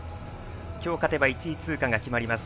今日、勝てば１位通過が決まります。